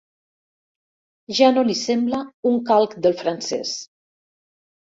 Ja no li sembla un calc del francès.